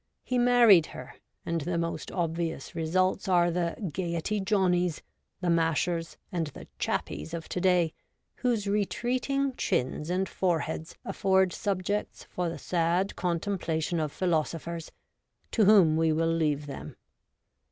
He married her, and the most obvious results are the ' Gaiety Johnnies,' the ' mashers,' and the ' chappies ' of to day, whose retreating chins and foreheads afford subjects for the sad contemplation of philosophers — to whom we will leave them.